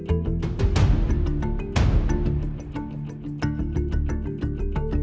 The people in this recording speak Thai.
สวัสดีครับ